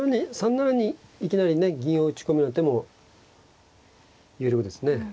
３七にいきなりね銀を打ち込むような手も有力ですね。